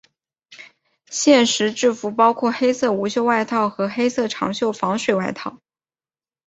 现时制服包括黑色无袖外套和黑色长袖防水外套。